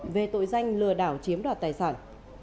về tội danh lừa đảo chiếm đoạt tài sản